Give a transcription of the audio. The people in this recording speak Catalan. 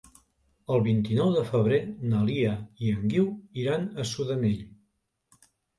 El vint-i-nou de febrer na Lia i en Guiu iran a Sudanell.